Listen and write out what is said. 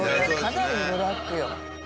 かなりブラックよ。